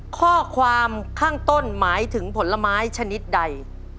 ข้อความข้างต้นหมายถึงผลไม้ชนิดใด